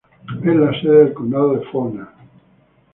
Es la sede del Condado de Faulkner.